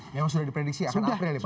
memang sudah diprediksi akan april ya pak